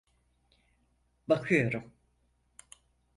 Bakıyorum.